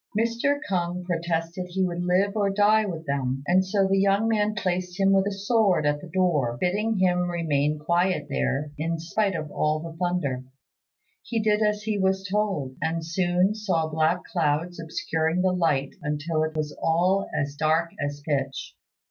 Mr. K'ung protested he would live or die with them, and so the young man placed him with a sword at the door, bidding him remain quiet there in spite of all the thunder. He did as he was told, and soon saw black clouds obscuring the light until it was all as dark as pitch.